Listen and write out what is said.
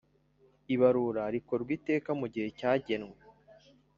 Ibarura rikorwa iteka mu gihe cyagenwe.